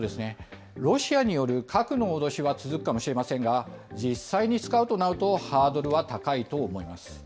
ロシアによる核の脅しは続くかもしれませんが、実際に使うとなるとハードルは高いと思います。